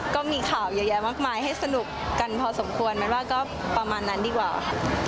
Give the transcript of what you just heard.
ก็มีข่าวเยอะแยะมากมายให้สนุกกันพอสมควรมันว่าก็ประมาณนั้นดีกว่าค่ะ